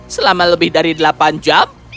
selama lebih dari delapan jam